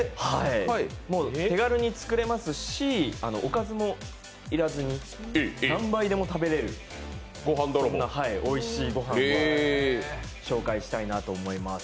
手軽に作れますし、おかずも要らずに何杯でも食べられるおいしいご飯紹介したいなと思います。